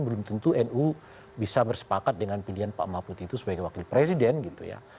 belum tentu nu bisa bersepakat dengan pilihan pak mahfud itu sebagai wakil presiden gitu ya